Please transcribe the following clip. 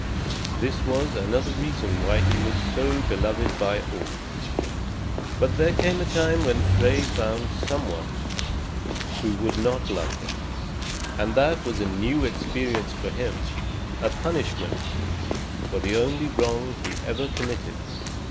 This was another reason why he was so beloved by all. But there came a time when Frey found some one who would not love him; and that was a new experience for him, a punishment for the only wrong he ever committed.